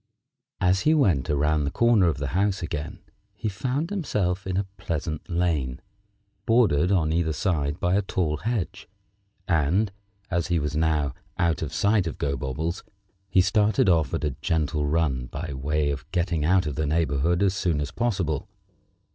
As he went around the corner of the house again he found himself in a pleasant lane, bordered on either side by a tall hedge, and, as he was now out of sight of Gobobbles, he started off on a gentle run by way of getting out of the neighborhood as soon as possible.